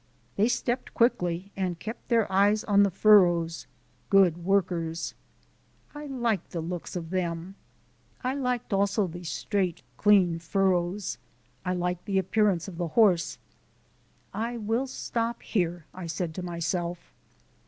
They stepped quickly and kept their eyes on the furrows: good workers. I liked the looks of them. I liked also the straight, clean furrows; I liked the appearance of the horse. "I will stop here," I said to myself.